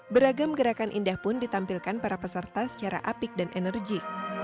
beragam gerakan indah pun ditampilkan para peserta secara apik dan energi